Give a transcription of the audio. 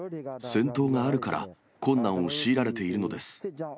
戦闘があるから、困難を強いられているのです。